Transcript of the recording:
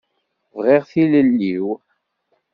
Bɣiɣ tilelli-w.